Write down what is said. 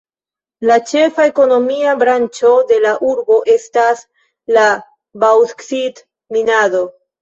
La ĉefa ekonomia branĉo de la urbo estas la baŭksit-minado.